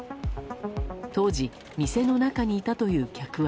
当時、店の中にいたという客は。